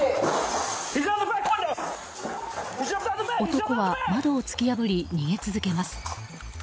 男は窓を突き破り逃げ続けます。